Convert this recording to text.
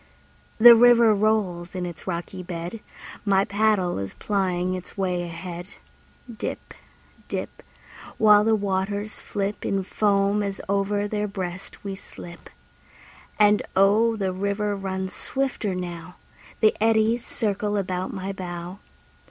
The river rolls in its rocky bed; My paddle is plying its way ahead; Dip, dip, While the waters flip In foam as over their breast we slip. And oh, the river runs swifter now; The eddies circle about my bow.